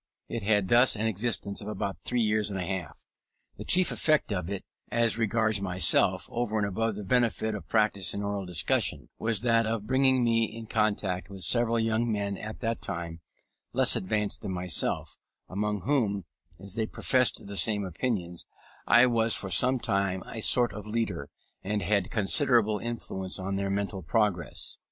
It had thus an existence of about three years and a half. The chief effect of it as regards myself, over and above the benefit of practice in oral discussion, was that of bringing me in contact with several young men at that time less advanced than myself, among whom, as they professed the same opinions, I was for some time a sort of leader, and had considerable influence on their mental progress.